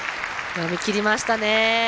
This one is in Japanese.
読みきりましたね。